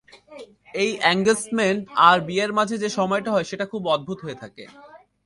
এই এঙ্গেছমেন্ট আর বিয়ের মাঝে যে সময়টা হয় সেটা খুব অদ্ভুত হয়ে থাকে।